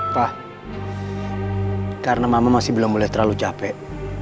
pak karena mama masih belum boleh terlalu capek